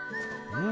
うん？